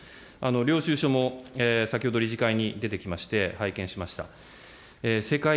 領収書も先ほど理事会に出てきまして、拝見しました。